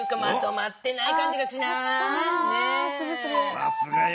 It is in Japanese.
さすがや。